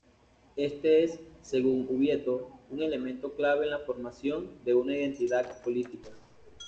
Este es, según Ubieto, un elemento clave en la formación de una identidad política.